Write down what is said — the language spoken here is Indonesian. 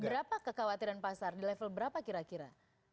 berapa kekhawatiran pasar di level berapa kira kira